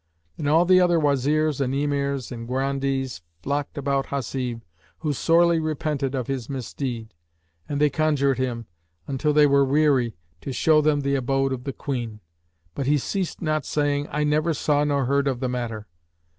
Then all the other Wazirs and Emirs and Grandees flocked about Hasib who sorely repented of his misdeed; and they conjured him, till they were weary, to show them the abode of the Queen; but he ceased not saying, "I never saw nor heard of the matter."